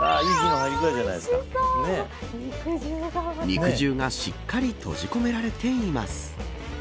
肉汁がしっかり閉じ込められています。